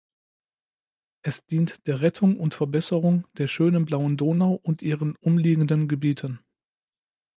Es dient der Rettung und Verbesserung "der schönen blauen Donau" und ihren umliegenden Gebieten.